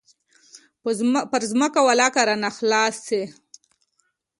پر ځمكه ولله كه رانه خلاص سي.